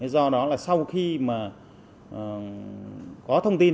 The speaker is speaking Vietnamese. do đó là sau khi mà có thông tin